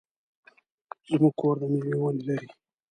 زمونږ کور د مېوې ونې لري.